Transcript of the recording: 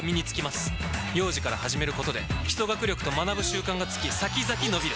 幼児から始めることで基礎学力と学ぶ習慣がつき先々のびる！